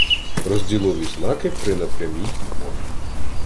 Розділові знаки при непрямій мови